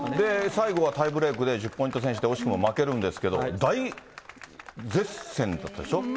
最後はタイブレークで１０ポイント先取で惜しくも負けるんですけれども、大接戦だったでしょう。